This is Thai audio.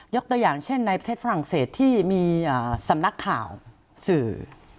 ตัวอย่างเช่นในประเทศฝรั่งเศสที่มีสำนักข่าวสื่อ